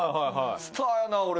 スターやな俺。